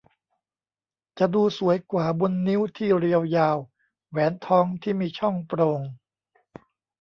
จะดูสวยกว่าบนนิ้วที่เรียวยาว แหวนทองที่มีช่องโปร่ง